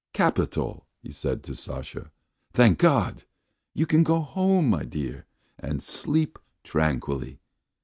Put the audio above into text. "Capital," he said to Sasha. "Thank God! You can go home, my dear, and sleep tranquilly.